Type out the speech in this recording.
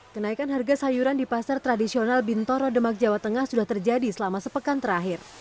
kenaikan harga sayuran di pasar tradisional bintoro demak jawa tengah sudah terjadi selama sepekan terakhir